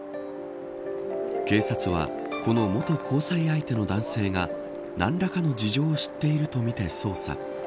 警察はこの元交際相手の男性が何らかの事情を知っているとみて捜査。